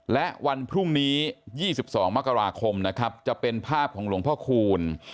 และวันพรุ่งนี้๒๒มกราคมนะครับจะเป็นภาพของหลวงพ่อคูณ